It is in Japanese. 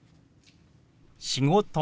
「仕事」。